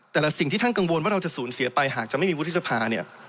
แต่ละสิ่งที่ท่านกังวลว่าเราจะสูญเสียไปหากจะไม่มีวุฒิสภาเนี่ย